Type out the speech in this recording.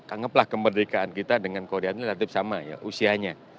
anggaplah kemerdekaan kita dengan korea ini relatif sama ya usianya